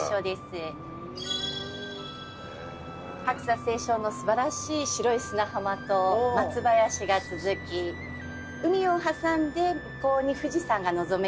白砂青松の素晴らしい白い砂浜と松林が続き海を挟んで向こうに富士山が望めるという絶景です。